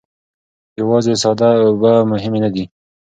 یوازې ساده اوبه مهمې نه دي.